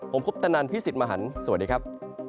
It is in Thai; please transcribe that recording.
ผมคุปตนันพี่สิทธิ์มหันฯสวัสดีครับ